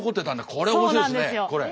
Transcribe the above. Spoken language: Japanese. これ面白いですね。